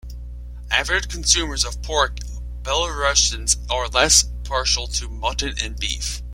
Avid consumers of pork, Belarusians are less partial to mutton and beef.